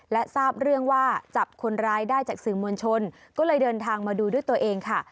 และทราบเรื่องว่าจับคนร้ายได้จากสื่อมวลชนก็เลยเดินทางมาดูด้วยตัวเองค่ะ